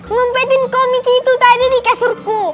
ngumpetin komik itu tadi di kesurku